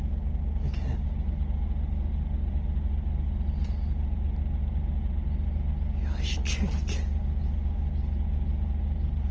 いやいけんいけん。